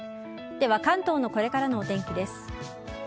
では関東のこれからのお天気です。